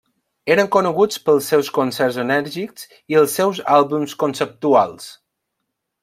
Eren coneguts pels seus concerts enèrgics i els seus àlbums conceptuals.